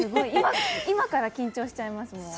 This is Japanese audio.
今から緊張しちゃいます。